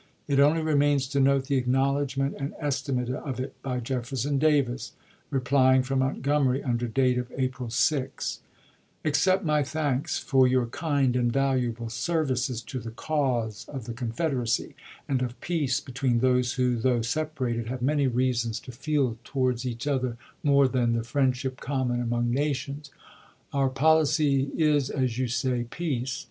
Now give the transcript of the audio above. It only remains to note the acknowledgment and estimate of it by Jefferson Davis, replying from Montgomery under date of April 6: Accept my thanks for your kind and valuable services to the cause of the Confederacy and of peace between those who, though separated, have many reasons to feel Campbell to Jefferson THE EEBEL GAME 413 towards each other more than the friendships common ch. xxiv. among nations. Our policy is, as you say, peace.